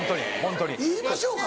言いましょうか？